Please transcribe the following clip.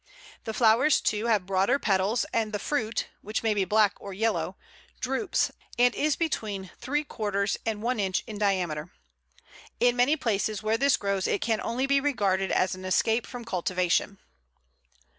The flowers, too, have broader petals, and the fruit which may be black or yellow droops, and is between three quarters and one inch in diameter. In many places where this grows it can only be regarded as an escape from cultivation.